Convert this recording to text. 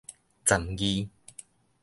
鏨字